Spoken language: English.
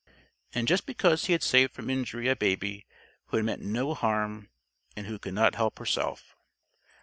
And just because he had saved from injury a Baby who had meant no harm and who could not help herself!